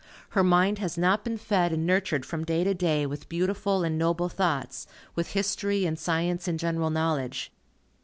Her mind has not been fed and nurtured from day to day with beautiful and noble thoughts, with history and science and general knowledge.